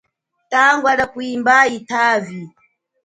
Tangwa lia kwimba yitavi.